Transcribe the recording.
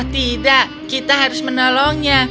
tidak kita harus menolongnya